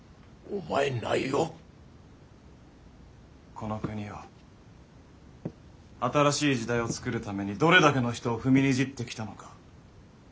この国は新しい時代を作るためにどれだけの人を踏みにじってきたのか？